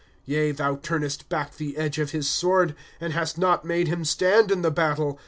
*^ Yea, thou turuest back the edge of his sword, And hast not made him stand in the battle.